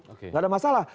tidak ada masalah